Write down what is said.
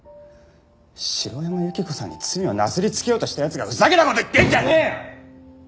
城山由希子さんに罪をなすりつけようとした奴がふざけた事言ってんじゃねえよ！